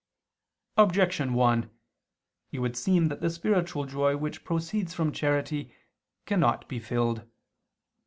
Objection 1: It would seem that the spiritual joy which proceeds from charity cannot be filled.